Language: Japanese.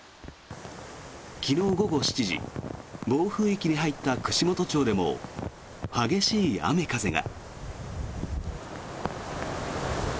昨日午後７時暴風域に入った串本町でも激しい雨風が。